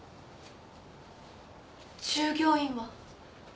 従業員は